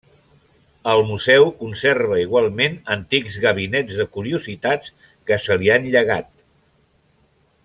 El museu conserva igualment antics gabinets de curiositats que se li han llegat.